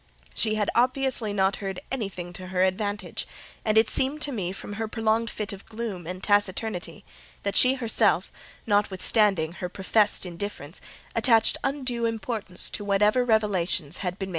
She had obviously not heard anything to her advantage: and it seemed to me, from her prolonged fit of gloom and taciturnity, that she herself, notwithstanding her professed indifference, attached undue importance to whatever revelations had been made her.